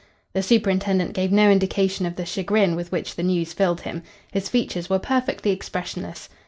The superintendent gave no indication of the chagrin with which the news filled him. His features were perfectly expressionless.